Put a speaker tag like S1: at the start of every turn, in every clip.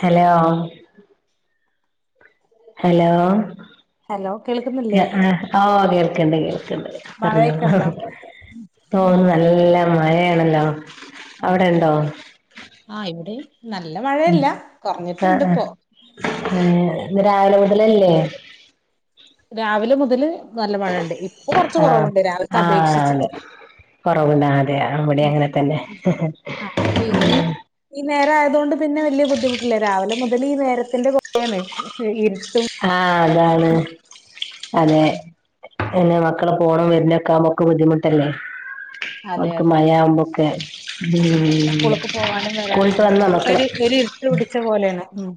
S1: Hello hello
S2: hello കേൾക്കുന്നില്ലേ
S1: ആ കേൾക്കണ്ട് കേൾ ഓ കേൾക്കാണ്ട് കേക്കാനുണ്ട്
S2: മഴയൊക്കെ
S1: പറഞ്ഞോള
S2: ഉണ്ടോ
S1: തോന്ന് നല്ല മഴയാണല്ലോ അവിടെ
S2: അതല്ലേ
S1: ഉണ്ടോ
S2: ആ ഇവിടെ
S1: ഉ ആ ആ രാവിലെ മുതലല്ലേ
S2: രാവിലെ മുതല് നല്ല മഴയുണ്ട് കുറച്ച്
S1: ആ
S2: കുറവുണ്ട് രാവിലത്തെ
S1: ആ അതെ
S2: അപേക്ഷിച്ചിട്ട്
S1: കൊറവുണ്ട അതെ അവിടെ അങ്ങനെ തന്നെ
S2: ആഹ് ഇപ്പൊ ഇനി ഈ നേരം ആയത കൊണ്ട് പിന്നെ വലിയ ബുദ്ധിമുട്ടില്ല രാവിലെ മുതൽ ഈ നേരത്തിന്റെ കുറൊണ് ഇരുട്ട്
S1: ആ അതാണ് അതെ പിന്നെ മക്കള പോണം വരുന്നക്കെ ആമ്പോക്കെ ബുദ്ധിമുട്ടല്ലേ. അവൾക്ക് മഴ ആവുമ്പോക്കെ
S2: സ്കൂളക്ക് പോവാനും വരാനും
S1: സ്കൂളിട്ട് വന്നോ
S2: ഒക്കെ
S1: മക്കള്
S2: ഒരു ഒരു ഇരുട്ട പിടിച്ച പോലെയാണ്. ഉ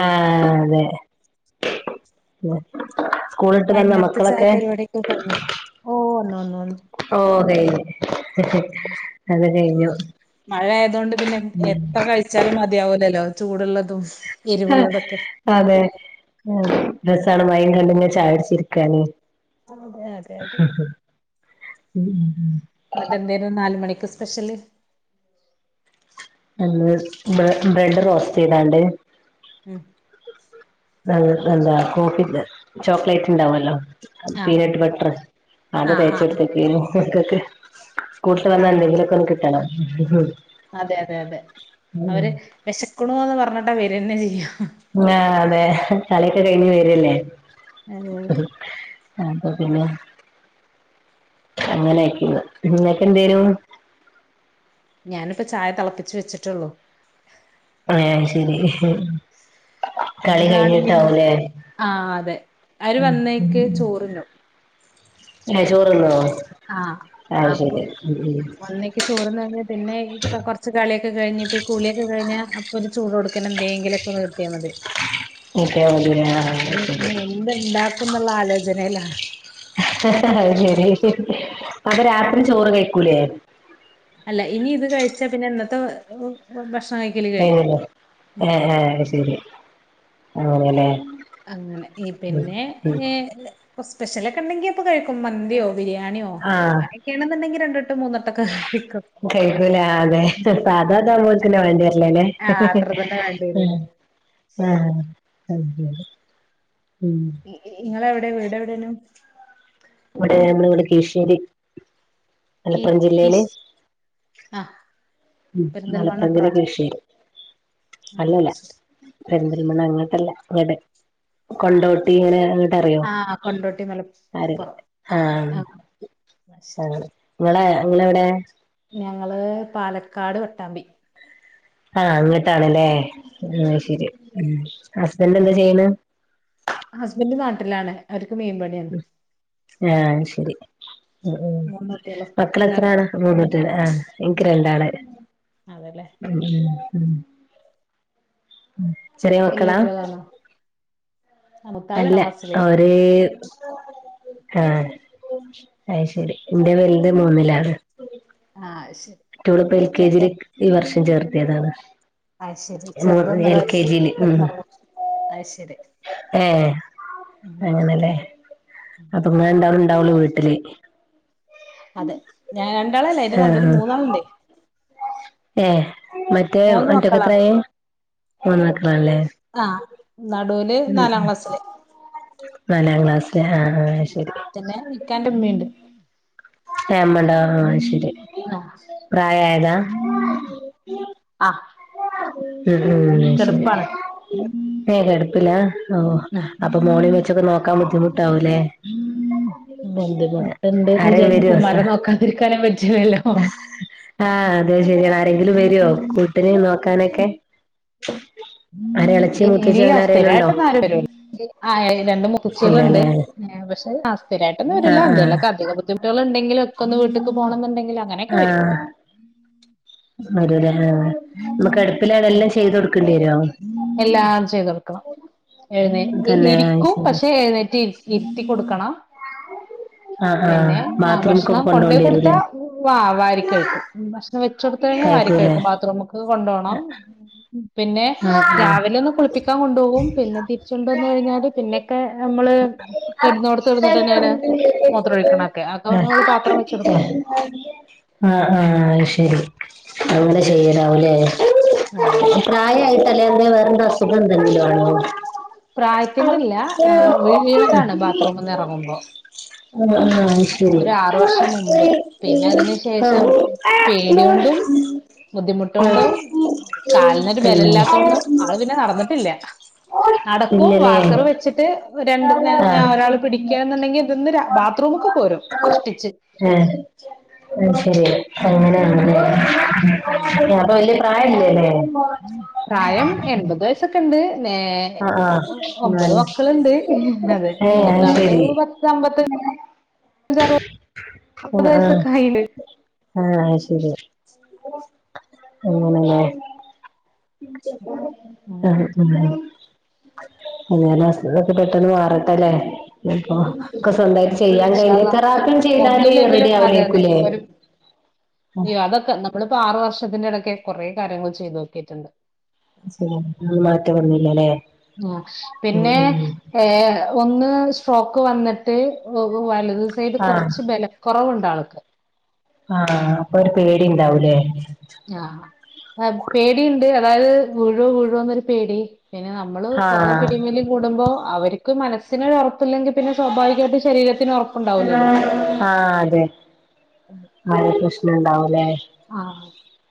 S1: ആ അതെ സ്കൂളിട്ട് വന്നോ
S2: വൈകുന്നേരത്തെ ചായ
S1: മക്കളൊക്കെ
S2: പരിപാടിയൊക്കെ കഴിഞ്ഞോ. ഓ ഒന്നു ഒന്നു
S1: ഓ കഴിഞ്ഞു അത് കഴിഞ്ഞു
S2: മഴ ആയതൊണ്ട് പിന്നെ എത്ര കഴിച്ചാലും മതിയാവൂലല്ലോ ചൂടുള്ളതും. എരിവുള്ളതൊക്കെ
S1: അതെ രസമാണ് മൈയും കണ്ടിങ്ങെനെ ചായ കുടിച്ചിരിക്കാന്.
S2: അതെ അതെ അതെ
S1: ഉം ഉം ഉം
S2: എന്നിട്ട് എന്തായും നാല് മണിക്ക് സ്പെഷ്യല്.
S1: എ ബ്രെഡ് റോസ്റ്റ് ചെയ്താണ്ട്.
S2: ഉം
S1: അ എന്താ കോഫി ചോക്ലേറ്റ് ഉണ്ടാവല്ലോ?
S2: ആഹ്
S1: പീനട്ട് ബട്ടർ അത
S2: ആഹ് ആഹ്
S1: തേച്ചെടുത്തക്കതൊക്കെനു മക്കൾക്ക് സ്കൂൾട്ട് വന്നാ
S2: ആഹ്
S1: എന്തെങ്കിലൊക്ക ഒന്ന് കിട്ടണം.
S2: അതെ അതെ അതെ അവര് വിശക്കണോന്ന് പറഞ്ഞിട്ട് വര്ന്നെ ചെയ്യാം.
S1: ആ അതെ കളിയൊക്കെ കഴിഞ്ഞ് വരല്ലേ.
S2: അതെ
S1: അപ്പോ പിന്നെ അങ്ങനെയക്കന്ന് നിങ്ങക്കെ എന്തേനു
S2: ഞാനിപ്പോ ചായ തിളപ്പിച്ചു വെച്ചിട്ടുള്ളൂ.
S1: ആഹ ശരി കളി
S2: എന്താണ്
S1: കഴിഞ്ഞിട്ടാവുലേ?
S2: ആഹ് അതെ അവര് വന്നേക്ക് ചോറുണ്ണും
S1: ഏ ചോറ്ന്നോ അയ്ശരി
S2: ഒന്നേക്ക് ചോറ്ന്ന് കഴിഞ്ഞാ പിന്നെ കുറച്ച് കളിയൊക്കെ കഴിഞ്ഞഞ്പ്പ കുളിയൊക്കെ കഴിഞ്ഞാ അപ്പൊ ഒരു ചോറ് കൊടുക്കും ക്കന എന്തെങ്കിലൊക്കെ നിർത്തിയാൽ മതി.
S1: ഉം ഇപ്പ മതിലെ ആ
S2: ഇനി
S1: ശരി
S2: ഇനി എന്ത് ഇണ്ടാക്കുംന്നുള്ള ആലോചനയിലാ.
S1: അത് ശരി അപ്പൊ രാത്രി ചോറ് കഴിക്കൂലേ?
S2: അല്ല ഇനി ഇത് കഴിച്ചാ പിന്നെ ഇന്നത്തെ ഭക്ഷ
S1: അല്ലേ ആ ആ ശരി അങ്ങനെല്ലേ
S2: അങ്ങനെ
S1: ഉം
S2: പിന്നെ
S1: ഉം
S2: സ്പെഷ്യലൊക്കെ ഉണ്ടെങ്കി അപ്പൊ കഴിക്കും. മന്തിയോ ബിരിയാണിയോ
S1: ആ
S2: അങ്ങനൊക്കെയണെന്നുണ്ടെങ്കിൽ രണ്ടെട്ട് മൂന്നെട്ടൊക്കെ കഴിക്കും.
S1: കഴിക്കൂല അതെ സാധാ താവുമ്പൊ ഓൽക്ക് വേണ്ടി
S2: ആഹ് അത്ര തന്നെ വേണ്ടി വരൂല്ലേ.
S1: ആ [unintelligible]
S2: നിങ്ങള് എവിടെ വീടെ എവിടെയാണ്.
S1: ഇവിടെ നമ്മള് ഇവിടെ കിഴിശ്ശേരി
S2: കി കിശ് ആഹ്
S1: ഉം
S2: പെരിന്തൽമണ്ണ
S1: മലപ്പുറം ജില്ല
S2: അപ്പുറാണോ?
S1: കിഴിശേരി
S2: ആഹ്
S1: അല്ലല്ല
S2: ശരി
S1: പെരിന്തൽമണ്ണ അങ്ങട്ടല്ല ങ്ങടെ കൊണ്ടോട്ടി ഇങ്ങനെ അറിയോ
S2: ആ കൊണ്ടോട്ടി
S1: ആര്
S2: മലപ്പുറം ആനെ
S1: ആഹ്
S2: ആ ശരി
S1: നിങ്ങള് നിങ്ങെളെവിടെ?
S2: ഞങ്ങള് പാലക്കാട് പട്ടാമ്പി.
S1: ആ അങ്ങിട്ടാണല്ലേ
S2: ആഹ്
S1: ശരി ഉം ഹസ്ബൻ്റ എന്താ ചെയ്യണ്?
S2: ഹസ്ബൻ്റ നാട്ടിലാണ് അവര് പണിയാണ്.
S1: ആ ശരി, ഉം ഉം
S2: മൂന്ന് കുട്ടികളും ഇങ്ങക്കോ
S1: മക്കളെത്രാണ് മൂന്നുട്ടികൾ ആഹ എനിക്ക്
S2: ഉം
S1: രണ്ടാള്
S2: അതെല്ലേ
S1: [unintelligible] ചെറിയാ
S2: വല്യ
S1: മക്കളാ
S2: കുട്ടികളാണോ ആ, മൂത്താള്
S1: അല്ല
S2: എട്ടാം ക്ലാസ്സില്
S1: ഒരേ ആ അത് ശരി എന്റെ വലുത് മൂന്നിലാണ്.
S2: ആഹ ശരി,
S1: മറ്റോളപ്പ എൽ കെ ജിയിലേക്ക് ഈ വർഷം ചേർത്തിയതാണ്.
S2: അയ്ശരി
S1: എൽ കെ
S2: ചെറുതൊന്നരവയസ്
S1: ജിയില് ഉം
S2: കിടന്നുറങ്ങുന്നു അത് ശരി.
S1: ഏഹ്
S2: ഉം
S1: അങ്ങനല്ലേ? അപ്പോ ങ്ങൾ രണ്ടാളും ഇണ്ടാവുള്ളു വീട്ടില്.
S2: അതെ ഞാൻ രണ്ടാളല്ലേ? അതിൻ്റെ
S1: ആഹ്
S2: നടൂല് മൂന്നാളുണ്ട്
S1: ആഹ് ഏഹ് മറ്റേ
S2: മൂന്ന്
S1: മറ്റോക്ക്
S2: മക്കളാണ്
S1: എത്രായ് മുന്നാക്കളണല്ലേ.
S2: ആഹ് നടുവില്
S1: ഉ
S2: നാലാം
S1: ഉ
S2: ക്ലാസ്സില്
S1: നാലാം ക്ലാസിലെ ആ ആ
S2: ഉം.
S1: ശരി.
S2: പിന്നെ ഇക്കാന്റെ ഉമ്മയുണ്ട്
S1: ഏ മ്മണ്ട അയ്ശരി
S2: ആഹ്
S1: പ്രായ ആയതാ?
S2: ആഹ്
S1: ഉ ഉം ശരി
S2: കെടപ്പാണ്
S1: കിടപ്പിലാ ഓ അപ്പൊ മോളെ
S2: ആഹ്
S1: വെച്ചൊക്കെ നോക്കാൻ ബുദ്ധിമുട്ടാവൂലേ?
S2: ഉം ബുദ്ധിമുട്ടുണ്ട്ന്ന്
S1: ആരേ
S2: വിചാരിച്ച് നമുക്ക്
S1: വെരോ
S2: ഉമ്മാരെ
S1: സഹ
S2: നോക്കാതിരിക്കാനും പറ്റൂലല്ലോ
S1: ആ ശെരി ആരെങ്കിലും വരുവോ, കുട്ടിന് നോക്കാനൊക്കെ? ആരെ എളച്ചി
S2: [unintelligible]
S1: മൂത്തച്ചി
S2: ഇല്ല
S1: അങ്ങനെ ആരേലും ഉണ്ടോ
S2: സ്ഥിരമായിട്ട് ന്നാരു വരുല ആ രണ്ട് മുത്തുച്ചികളുണ്ട്.
S1: ഇല്ലല്ലേ
S2: പക്ഷെ സിരയിട്ടൊന്നു
S1: ആഹ്
S2: വരില്ല.
S1: ആഹ്
S2: എന്തേങ്കിലുക്ക അധിക ബുദ്ധമുട്ടുകളുണ്ടെങ്കില് ഒക്കെ ഒന്ന് വിട്ടേക്ക് പോണം എന്നുണ്ടങ്കിൽ അങ്ങനെയൊക്കെ വരും.
S1: രൂലെ ആ നമുക്ക് കിടപ്പിലെ എല്ലാം ചെയ്ത് കൊടുക്കേണ്ടി വരുമോ?
S2: എല്ലാ ചൈയ്തു. കൊ എഴുന്നേറ്റ്
S1: തന്നെ അത്
S2: ഇരിക്കും
S1: ശരി
S2: പക്ഷെ എഴുന്നേറ്റ് ഇരുത്തി കൊടുക്കണം.
S1: ആഹ് ആഹ്
S2: പിന്നെ ആ ഭക്ഷണം
S1: ബാത്റൂമ്ക്കൊക്കെ
S2: കൊണ്ട്പോയി
S1: കൊണ്ടോണ്ടി വരൂല്ലേ
S2: കൊടുത്താൽ വ വാരികഴിക്കും. ച്ചടുത്ത കഴിഞ്ഞൽ
S1: കഴിക്കൂലേ
S2: വരിക്കഴിക്കും. ബാത്റൂമ് ക്ക് കൊണ്ടോകണം പിന്നെ പിന്നെ
S1: ആഹ് ആഹ്
S2: രാവിലെ ഒന്ന് കുളിപ്പിക്കാൻ കൊണ്ടുപോകും. പിന്നെ തിരിച്ചുണ്ടോന്ന് കഴിഞ്ഞാല് പിന്നൊക്കെ നമ്മള്
S1: [unintelligible]
S2: കെടന്നോടത്ത് കെടന്നിട്ടെന്നേണ് മൂത്രൊഴിക്കണൊക്കെ അതൊക്കെ നമ്മള് പാത്രം വെച്ച് കൊടുക്കണം
S1: ആ ആ ശരി അങ്ങനെ ചെയ്യലാവൂലേ? -
S2: അതെ അതെ
S1: ആയായിട്ടല്ലേ അതോ വേറെന്തെലും അസുഖം എന്തെങ്കിലും ആണോ?
S2: പ്രായത്തിന്റെ
S1: അത്
S2: ഇല്ല ആ വീണതാണ് ബാത്റൂംന്ന് ഇറങ്ങുമ്പോ
S1: ആഹ് ആഹ് അത്
S2: ഒ
S1: ശരി
S2: ആറു വർഷം മുമ്പ് പിന്നെ അതിനു ശേഷം പേടിയോണ്ടും ബുദ്ധിമുട്ടോണ്ടോ കാലിന
S1: പിന്നെ
S2: ബല ഇല്ലാത്തോൊും ആള് പിന്നെ നടന്നിട്ടില്ല നടക്കും
S1: ഇല്ലല്ലേ
S2: വാക്കറ് വെച്ചിട്ട് രണ്ട്
S1: ആഹ്
S2: ഒരാള് പിടിക്കുക എന്നുണ്ടെങ്കിൽ ഇതൊന്ന് ബാത്റൂമൊക്കെ പോരും കഷ്ടിച്ച്
S1: ആഹ ആ ശരി അങ്ങനെയണ
S2: അതെ
S1: ഞപ്പൊ വല്ിയ പ്രായം ഇല്ലല്ലേ
S2: പ്രായം എൺപത് വയസ്സൊക്കെ ഉണ്ട്
S1: ആഹ് ആഹ്
S2: ഒമ്പത്
S1: എന്നാല്
S2: മക്കളുണ്ട് അതെ
S1: ഏഹ് അത്
S2: മൂത്താൾക്ക് പത്ത അമ്പത്തഞ്
S1: ആഹ
S2: ആയിണ്ട്
S1: ആഹ ആഹ ശരി അങ്ങനെ ലെ ആഹ ഉ അ ഞൊക്കെ പെട്ടെന്ന് മാറട്ടല്ലേപ്പൊ സ്വന്തമായി ചെയ്യാൻ
S2: ഇൻഷാ
S1: കഴിഞ്ഞ
S2: അള്ളാ
S1: തെറാപ്പി ചെയ്താല് റെഡി ആവലേക്കല്ലേ
S2: അയ്യോ അതൊക്കെ നമ്മളിപ്പോ ആറു വർഷത്തിന്റെ ഇടക്കെ കുറെ കാര്യങ്ങൾ ചെയ്തു നോക്കിയിട്ടുണ്ട്
S1: ൻ മാറ്റം വന്നില്ലല്ലേ
S2: ആ
S1: ഉം
S2: പിന്നെ
S1: ഉം
S2: ഏ ഒന്ന് ഷ്രോക്ക് വന്നിട്ട് വലത് സൈഡ്
S1: ആഹ്
S2: കുറച്ച് ബലക്കുറവുണ്ട് ആൾക്ക്
S1: ആഹ അപ്പൊ ഒരു പേടി ഉണ്ടാവൂലേ
S2: ആ ആഹ് പേടിയിണ്ട്. അതായത് വഴുവ വഴുവ എന്നൊരു പേടി പിന്നെ നമ്മള് കൊറേ
S1: ആഹ്
S2: പിടിമലും കൂടുമ്പോ അവർ മനസ്സിന് ഒരൊറപ്പ് ല്ലെങ്കിൽ പിന്നെ സ്വാഭാവികമായിട്ട് ശരീരത്തിന് ഉറപ്പുണ്ടാവില്ലല്ലോ
S1: ആരെ പ്രശ്നംണ്ടാവലേ
S2: ആ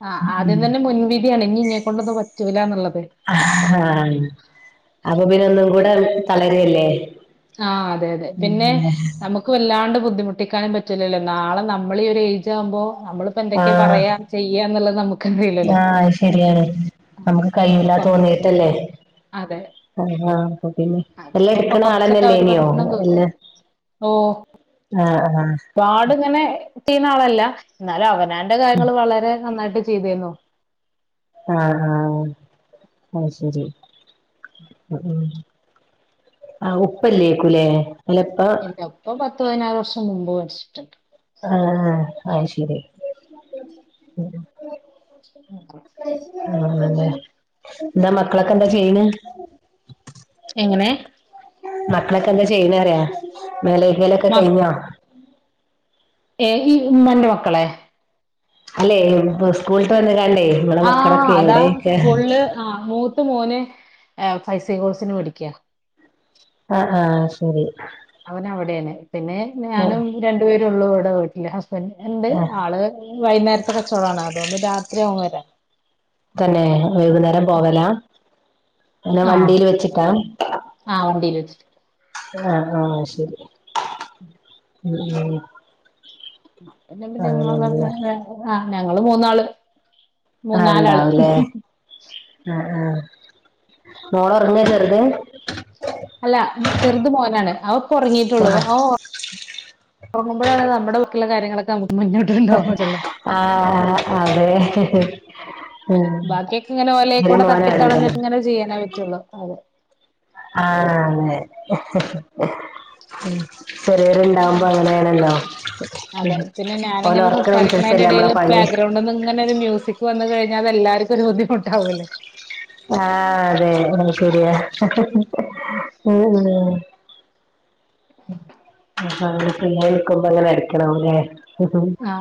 S2: ആ ആദ്യം തന്നെ മുൻവിധിയാണ് ഇനി ഇന്നെ കൊണ്ടൊന്ന പറ്റില്ല എന്നുള്ളത്
S1: ആഹ അപ്പൊ പിന്നെ ഒന്നും കൂടെ തളരല്ലേ
S2: ആഹ അതെ അതെ പിന്നെ നമുക്ക് വല്ലാണ്ട് ബുദ്ധിമുട്ടിക്കാനൻ പറ്റൂല്ലോ നാള നമ്മള ഒരു എജ് വുമ്പോ നമ്മളിപ്പോ എന്തൊക്കെയാ
S1: ആഹ്
S2: പറയാ ചെയ്യ എന്നുള്ളത് നമുക്കറിയിലല്ലോ
S1: ആഹ് അത് ശരിയാണ് നമുക്ക് കൈല്ല തോന്നീട്ടല്ലേ
S2: അതെ
S1: ആ അപ്പ പിന്നെ എല്ലാം
S2: അപ്പൊ
S1: എടുക്കണ
S2: കൊറച്ചൊക്കെ
S1: ആളന്നെല്ല
S2: അവര്
S1: ല്ലെന്യോ
S2: പറയണ കേക്കും. ഓഹ് ഒരുപാട് ഇങ്ങനെ കിട്ടീന്ന ആളല്ല എന്നാലും അവനാന്റെ കാര്യങ്ങൾ വളരെ നന്നായിട്ട് ചെയ്തന്നോ
S1: ആഹ ആഹ ആ ശരി ഉ ആ ഉപ്പല്ലേക്കുലേ
S2: ഇല്ല ഇപ്പ പത്ത് പതിനാറ് വർഷം മുമ്പ് മരിച്ചിട്ടുണ്ട്
S1: ആഹ ആ ശരി
S2: ഉം
S1: ആണല്ലേ എന്താ മക്കളൊക്കെ എന്താ ചെയ്യണ്
S2: എങ്ങനെ
S1: മക്കളൊക്കെ എന്താ ചെയ്യുന്നറയാ മേലലൊക്കെ
S2: മ
S1: കഴിഞ്ഞാ
S2: ഏ ഈ ഉമ്മന്റെ മക്കളെ
S1: അല്ലെ സ്കൂളിട്ട് വന്ന
S2: ആ അതാ സ്കൂള്ല് ആ മൂത്ത മോന് ഫൈസി കോഴ്സിന് പഠിക്കാ
S1: ആഹ് ആഹ് ശരി
S2: അവന അവിടാണ് പിന്നെ
S1: ആഹ്
S2: ഞാനും രണ്ടുപേരെള്ളൂ അവിടെ പോയിട്ടില്ല പിന്നെ എണ്ട്
S1: ആഹ്
S2: ആള് വൈകുന്നേരത്തെ കച്ചവടമാണ് അതുകൊണ്ട് രാത്രിയാകും വരാൻ
S1: തന്നെ വൈകുന്നേരം പോവലാ അങ്ങനെ
S2: ആഹ
S1: വണ്ടിൽ വെച്ചിട്ടാ
S2: ആഹ വണ്ടീയില് വച്ചിട്ട്
S1: ആഹ് ആഹ് ശരി മ്മ്ഹ്
S2: എന്ന പിന്ന ഞങ്ങള് എങ്ങനെ ആഹ് ഞങ്ങള് മൂന്നാള്
S1: ആഹ്
S2: മൂന്നാലാള്
S1: ഉണ്ടാവൂലേ ആ ആ മോളൊറങ്ങാര്ന്ന് വെറ്തെ
S2: അല്ലാ ചെറുത് മോനാണ് അവപ്പ ഒറങ്ങീറ്റേള്ളു
S1: ആഹ്
S2: അവ ഒറങ്ങുമ്പൊഴാണ് നമ്മ്ടെ വീട്ടിലെ കാര്യങ്ങളൊക്ക നമു
S1: ആഹ് അതെ ഉം
S2: ബാക്കിയെക്കെ ഇങ്ങന വലേ കൂട
S1: ചെറിയ മോനാണല്ലേ
S2: തട്ടിത്തളഞ്ഞിട്ട് ഇങ്ങനെ ചെയ്യാനേ പറ്റുള്ളൂ അതെ
S1: ആഹ് അതെ ഉം ചെറിയവരുണ്ടാവുമ്പൊ അങ്ങനെയാണല്ലോ
S2: അതെ
S1: പെൺ
S2: പിന്നെ
S1: ഓല് ഒറക്കണേന് ശേഷല്ലേ നമ്മള പണി
S2: ഗ്രൗണ്ട്ന്നിങ്ങനെ ഒരു മ്യൂസിക് വന്ന് കഴിഞ്ഞാ അത് എല്ലാരുക്കും ഒരു ബുദ്ധിമുട്ടാവൂല്ലെ
S1: ആഹ് അതെ അത് ശരിയാ ഉം ആ ഫ്രീയായിരിക്കുമ്പ അങ്ങനെ അരക്കണം അല്ലെ കിട്ടും
S2: ആ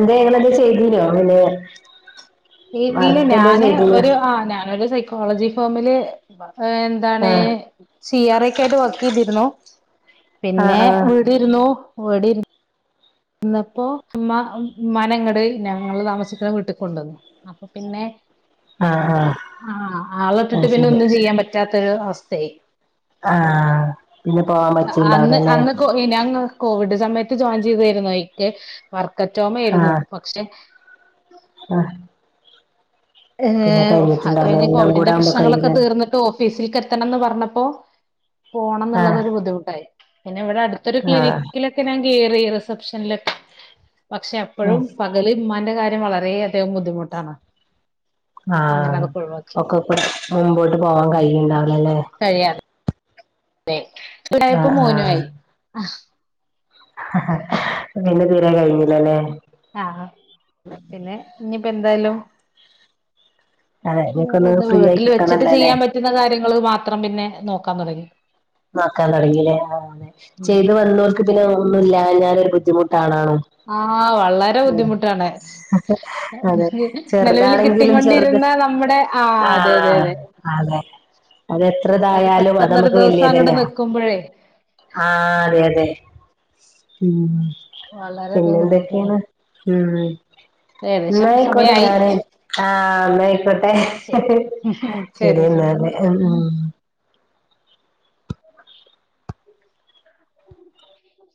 S1: എന്തേ ഇങ്ങന എന്തേൽ ചെയ്തീനോ പിന്നെ
S2: ഇല്ല
S1: വർക്ക് എന്തേ
S2: ഞാന്
S1: ചെയ്തീനോ
S2: ഒരു ആ ഞാനൊരു സൈക്കോളജി ഫോമില് വ ആ എന്താണ് ഈ
S1: ആഹ്
S2: സി ആർ എ ക്കായ്റ്റ വർക്ക് ചെയ്തിരുന്നു
S1: ആഹ്
S2: പിന്നെ
S1: ആഹ്
S2: ഇവിടിരുന്നു ഇവിടെ ഇരി ഇന്നപ്പോ ഹ്‌മ്മാ ഉമ്മാനെ ഇങ്ങട് ഞങ്ങള് താമസിക്കണ വീട്ടിക്കൊണ്ടുവന്നു അപ്പൊ പിന്നെ
S1: ആഹ്
S2: അ
S1: ആഹ്
S2: ആ ആള ഇട്ടിട്ട്
S1: അത്
S2: പിന്നെ
S1: ശരി
S2: ഒന്നും ചെയ്യാൻ പറ്റാത്തൊരു അവസ്ഥയായ്
S1: ആഹ് പിന്നെ പോവാൻ
S2: അ അന്ന്
S1: പറ്റിണ്ടാവൂലല്ലേ
S2: അന്ന്ക്കോയി നങ്ങ് കോവിഡ് സമയത്ത് ജോയിൻ ചെയ്തതായിരുന്നു എനിക്ക് വർക്കറ്റ് ഹോമായിരുന്നു പക്ഷെ
S1: അ
S2: ഏ ഒ അത് കഴിഞ്ഞ്
S1: എല്ലാം കൂടെ
S2: കോവിഡിന്റെ
S1: ആവുമ്പോ
S2: പ്രശ്നങ്ങളൊക്ക
S1: കഴിയൂല
S2: തീർന്നിട്ട് ഓഫീസില് ക്കെത്തണംന്ന് പറഞ്ഞപ്പോ പോണം ന്ന്ള്ളത്
S1: ആഹ്
S2: ഒരു ബുദ്ധിമുട്ടായി പിന്നെ ഇവിടെ അടുത്തൊരു
S1: ആഹ്
S2: ക്ലിനിക്കിലൊക്കെ ഞാൻ കേറി ഇറസ് പക്ഷെ അൺലക്ക് പക്ഷേ
S1: ഉം
S2: അപ്പൊഴും പകല് ഉമ്മാനെ ൻ്റെ കാര്യം വളരെ അധികം ബുദ്ധിമുട്ടാണ് അങ്ങനെ
S1: ആഹ്
S2: അതൊക്കെ ഒഴിവാക്കി
S1: ഒക്ക കൂടെ മുമ്പോട്ട് പോവാൻ
S2: ഉം
S1: കഴിയണ് ണ്ടാവലല്ലേ
S2: അതെ കുറച്ചു കൂടെ ആയപ്പ
S1: ആഹ്
S2: മോനും ആയി
S1: പിന്ന തീരെ കഴിഞ്ഞില്ലല്ലേ
S2: ആ ഹ പിന്നെ ഇനിപ്പ എന്തായാലും
S1: അതെ ഇങ്ങക്കൊന്ന് ഫ്രീ ആയി
S2: വീട്ടില് വെച്ചിട്ട്
S1: കിട്ടണല്ലോല്ലേ
S2: ചെയ്യാൻ പറ്റുന്ന കാര്യങ്ങള് മാത്രം പിന്നെ നോക്കാൻ തൊടങ്ങി
S1: നോക്കാൻ തൊടങ്ങില്ലേ ആഹ് അതെ
S2: ഉം
S1: ചെയ്ത് വന്നോർക്ക് പിന്നെ ഒന്നും ഇല്ല ഞാനൊരു ബുദ്ധിമുട്ടാണാ അ
S2: ആഹ് വളരെ
S1: ല്ലെ
S2: ബുദ്ധിമുട്ടാണ്
S1: അതെ അതെ
S2: നിലവിൽ
S1: ചെറുതാണെങ്കിലും ചെറ് അതെ
S2: കിട്ടിക്കൊണ്ടിരുന്ന നമ്മുടെ അതെ അതെ
S1: ആഹ്
S2: അതെ
S1: അതെ അതെത്രതായാലും അത്
S2: പെട്ടെന്നൊരു
S1: നമ്മക്ക് വലിയ
S2: ദിവസം അങ്ങോട്ട്
S1: തന്നയോ
S2: നിക്കുമ്പോഴേ
S1: ആ അതെ അതെ ഉം പിന്നെ
S2: വളരെയധികം ബുദ്ധിമുട്ടുണ്ട്
S1: എന്തൊക്കെയാണ് ഉം
S2: ഏകദേശം
S1: എന്നാ ആയിക്കോട്ടെ
S2: സമയായി
S1: ഞാന് ആഹ് ന്നാ ആയിക്കോട്ടെ
S2: ശരി ശരി
S1: ശരിയെൻ ന്നാ
S2: ശരി
S1: പോട്ടെ അ ഉം